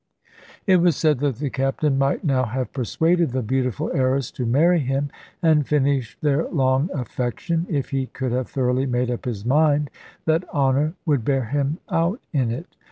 It was said that the Captain might now have persuaded the beautiful heiress to marry him, and finish their long affection, if he could have thoroughly made up his mind that honour would bear him out in it.